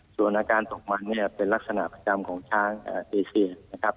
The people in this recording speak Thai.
ส่วนอาการตกมันเนี่ยเป็นลักษณะประจำของช้างเอเซียนะครับ